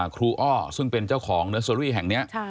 อ้อซึ่งเป็นเจ้าของเนอร์เซอรี่แห่งนี้